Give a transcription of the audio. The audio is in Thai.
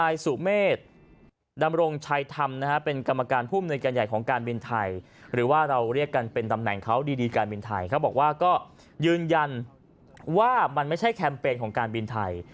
ยืนยันว่ามันไม่ใช่แคมเปญของการบินไทย